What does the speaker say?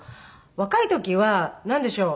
若い時はなんでしょう？